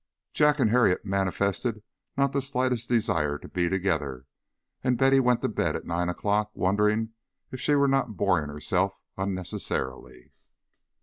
Jack and Harriet manifested not the slightest desire to be together, and Betty went to bed at nine o'clock, wondering if she were not boring herself unnecessarily.